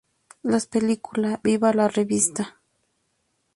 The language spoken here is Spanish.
Las película "Viva la rivista!